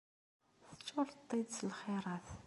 Teččureḍ-tt-id s lxirat.